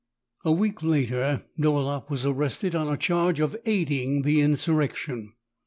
A week later Dolaeff was arrested on a charge of aiding the insurrection.